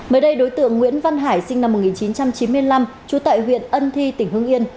mới đây đối tượng nguyễn văn hải sinh năm một nghìn chín trăm chín mươi năm trú tại huyện ân thi tỉnh hương yên